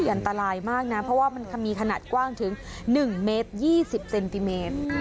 อุ้ยอันตรายมากน่ะเพราะว่ามันมีขนาดกว้างถึงหนึ่งเมตรยี่สิบเซนติเมตรอืม